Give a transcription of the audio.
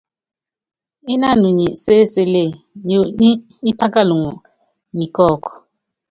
Ínanu nyi séselée, nyionyí nyípákalɔŋ ni kɔ́kú.